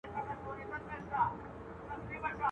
o زاړه، په خواړه.